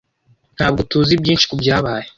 Ntabwo tuzi byinshi kubyabaye.